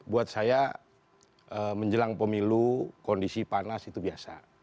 buat saya menjelang pemilu kondisi panas itu biasa